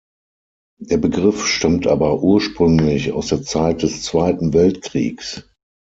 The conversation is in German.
Der Begriff stammt aber ursprünglich aus der Zeit des Zweiten Weltkriegs.